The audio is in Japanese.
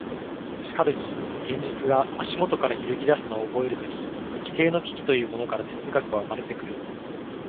しかるに現実が足下から揺ぎ出すのを覚えるとき、基底の危機というものから哲学は生まれてくる。